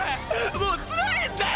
もう辛いんだよ